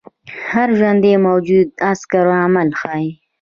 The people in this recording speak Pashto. هر ژوندی موجود عکس العمل ښيي